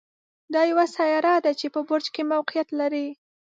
دا یوه سیاره ده چې په برج کې موقعیت لري.